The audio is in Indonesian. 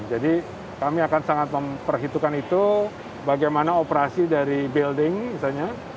jadi kami akan sangat memperhitungkan itu bagaimana operasi dari building misalnya